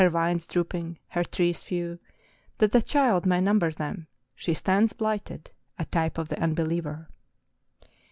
199 vines drooping, her trees few, that a child may number them, she stands blighted, a type of tlie unbeliever!